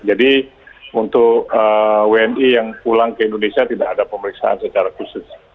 jadi untuk wni yang pulang ke indonesia tidak ada pemeriksaan secara khusus